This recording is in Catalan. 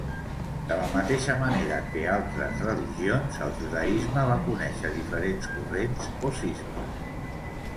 De la mateixa manera que altres religions, el judaisme va conèixer diferents corrents o cismes.